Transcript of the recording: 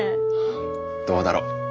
どうだろう。